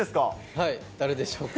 はい、誰でしょうか？